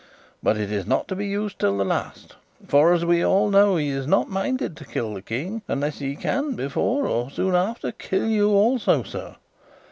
But it is not to be used till the last; for, as we all know, he is not minded to kill the King unless he can, before or soon after, kill you also, sir.